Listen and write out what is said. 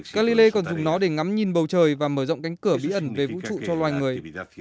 galilei còn dùng nó để ngắm nhìn bầu trời và mở rộng cánh cửa bí ẩn về vũ trụ cho loài người